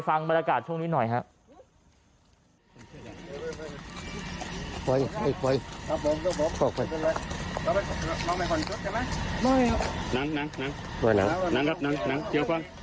เสพอะไรไป